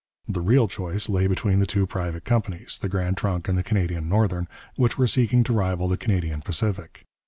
The real choice lay between the two private companies, the Grand Trunk and the Canadian Northern, which were seeking to rival the Canadian Pacific.